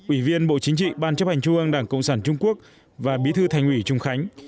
ủy viên bộ chính trị ban chấp hành trung ương đảng cộng sản trung quốc và bí thư thành ủy trung khánh